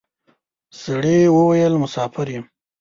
سړي وويل: مساپر یم.